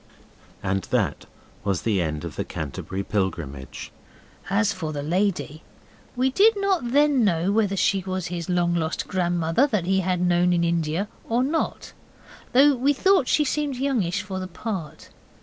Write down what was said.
And that was the end of the Canterbury Pilgrimage. As for the lady, we did not then know whether she was his long lost grandmother that he had known in India or not, though we thought she seemed youngish for the part.